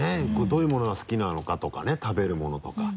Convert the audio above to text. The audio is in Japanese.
どういうものが好きなのかとかね食べるものとか。